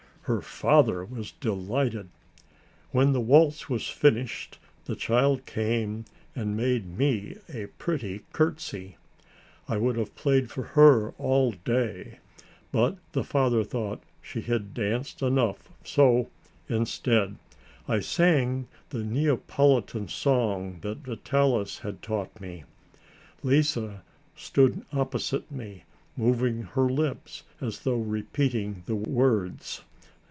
Her father was delighted. When the waltz was finished the child came and made me a pretty curtsy. I would have played for her all day, but the father thought she had danced enough so, instead, I sang the Neapolitan song that Vitalis had taught me. Lise stood opposite me, moving her lips as though repeating the words.